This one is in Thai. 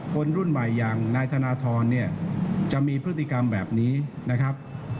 คนรุ่นใหม่อย่างนายธนทรเนี่ยจะมีพฤติกรรมแบบนี้นะครับ